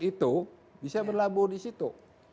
itu bisa berlabuh di situ